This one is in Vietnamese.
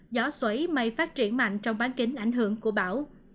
gió suối may phát triển mạnh trong bán kính ảnh hưởng của bão